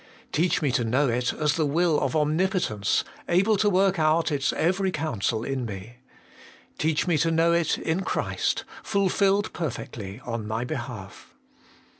Teach me to know it as the Will of Omnipotence, able to work out its every counsel in me. Teach me to know it in Christ, fulfilled per fectly on my behalf.